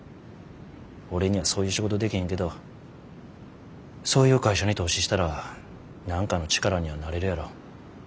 俺にはそういう仕事でけへんけどそういう会社に投資したら何かの力にはなれるやろ。